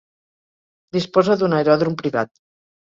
Disposa d'un aeròdrom privat.